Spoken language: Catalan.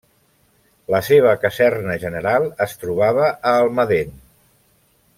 La seva caserna general es trobava a Almadén.